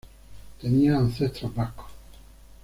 Tenía ancestros vascos.